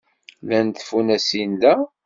Llant tfunasin da.